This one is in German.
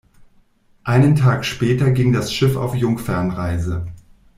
Einen Tag später ging das Schiff auf Jungfernreise.